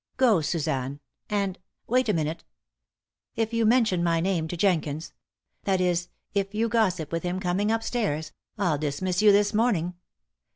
Go, Suzanne! And wait a minute. If you mention my name to Jenkins that is, if you gossip with him coming up stairs, I'll dismiss you this morning.